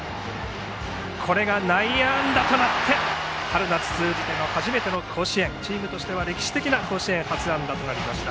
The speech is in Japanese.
これが内野安打となって春夏通じての初めての甲子園チームとしては歴史的な甲子園初安打となりました。